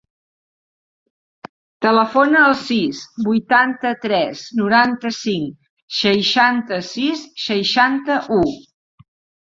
Telefona al sis, vuitanta-tres, noranta-cinc, seixanta-sis, seixanta-u.